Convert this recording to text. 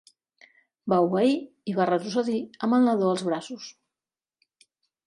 Va obeir i va retrocedir amb el nadó als braços.